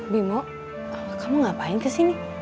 bimo kamu ngapain kesini